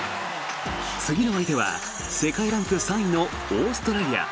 次の相手は、世界ランク３位のオーストラリア。